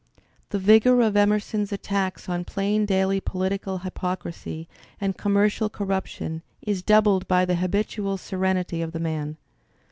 The vigour of Emerson's at tacks on plain daily political hypocrisfy and commercial cor ruption is doubled by the habitual serenity of the man.